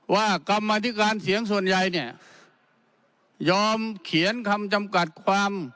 กรรมธิการเสียงส่วนใหญ่เนี่ยยอมเขียนคำจำกัดความ